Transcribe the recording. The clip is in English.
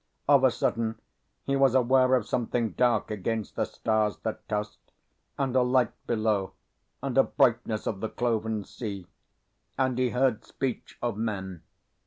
Of a sudden he was aware of something dark against the stars that tossed, and a light below, and a brightness of the cloven sea; and he heard speech of men.